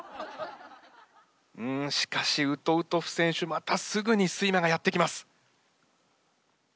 うんしかしウトウトフ選手またすぐに睡魔がやって来ます。